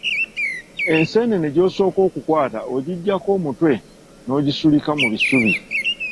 Enseenene gy'osooka okukwata ogiggyako omutwe n'ogisulika mu bisubi.